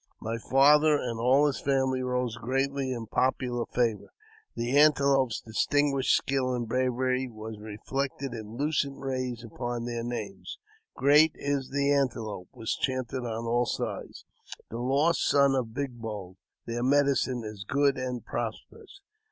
My father and all his family rose greatly in popular favour. The Antelope's distinguished skill and bravery were reflected in lucent rays upon their names. '' Great is the Antelope," was chanted on all sides, "the lost son of Big Bowl; their medicine is good and prosperous."